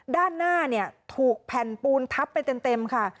ด้านหน้าเนี่ยถูกแผ่นปูนทับไปเต็มค่ะ